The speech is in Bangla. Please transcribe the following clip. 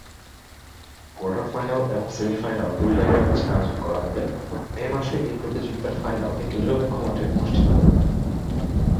কোয়ার্টার ফাইনাল এবং সেমিফাইনালে দুই লেগের ম্যাচ আয়োজন করা হবে, মে মাসে এই প্রতিযোগিতার ফাইনাল একটি নিরপেক্ষ মাঠে অনুষ্ঠিত হবে।